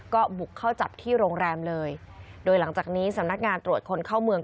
ก็บุกเข้าจับที่โรงแรมเลยโดยหลังจากนี้สำนักงานตรวจคนเข้าเมือง